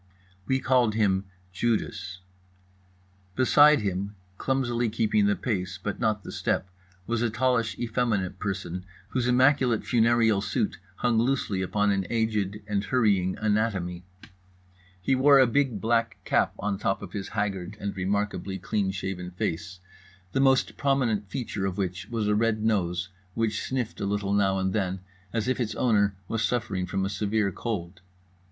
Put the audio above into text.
We called him Judas. Beside him, clumsily keeping the pace but not the step, was a tallish effeminate person whose immaculate funereal suit hung loosely upon an aged and hurrying anatomy. He wore a big black cap on top of his haggard and remarkably clean shaven face, the most prominent feature of which was a red nose, which sniffed a little now and then as if its owner was suffering from a severe cold.